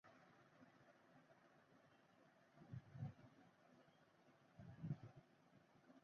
তিনি পিতামহের কাছেই প্রথমিক অনুশীলন শুরু করেন।